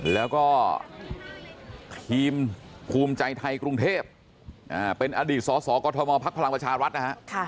แล้วก็ครีมคุมใจไทยกรุงเทพอ่าเป็นอดีตศยมภรังประชาวัตรนะฮะ